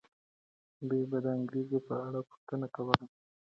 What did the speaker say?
دوی به د انګریزانو په اړه پوښتنه کوله.